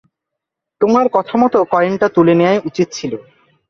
তোমার কথামতো কয়েনটা তুলে নেয়াই উচিৎ ছিল।